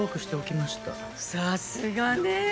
さすがね！